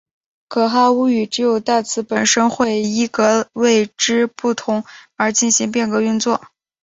噶哈巫语只有代词本身会依格位之不同而进行变格运作。